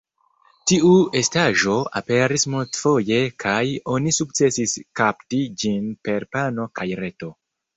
Tiu estaĵo aperis multfoje kaj oni sukcesis kapti ĝin per pano kaj reto.